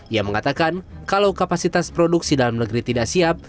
ia mengatakan kalau kapasitas produksi dalam negeri tidak siap